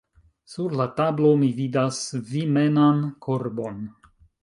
Sur la tablo mi vidas vimenan korbon.